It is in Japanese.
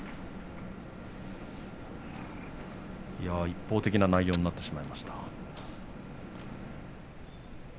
一方的な内容になってしまいました。